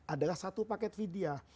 adalah satu paket vidya